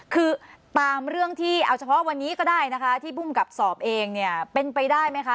คือตามเรื่องที่เอาเฉพาะวันนี้ก็ได้นะคะที่ภูมิกับสอบเองเนี่ยเป็นไปได้ไหมคะ